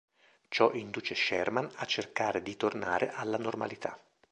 Ciò induce Sherman a cercare di tornare alla normalità.